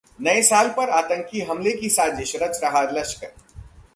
नए साल पर आतंकी हमले की साजिश रच रहा लश्कर